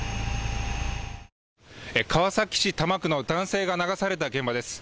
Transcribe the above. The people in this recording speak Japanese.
川崎市多摩区の男性が流された現場です。